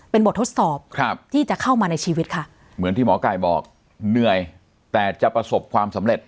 เป็นบททดสอบครับที่จะเข้ามาในชีวิตค่ะเหมือนที่หมอไก่บอกเหนื่อยแต่จะประสบความสำเร็จ